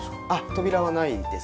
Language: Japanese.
扉はないです。